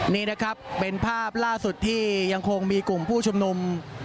นี่นะครับเป็นภาพล่าสุดที่ยังคงมีกลุ่มผู้ชุมนุม